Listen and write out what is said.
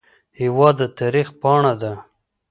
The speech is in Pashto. هېواد د تاریخ پاڼه ده.